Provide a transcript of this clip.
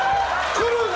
来るな！